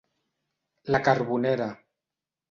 La Carbonera.